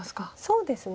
そうですね。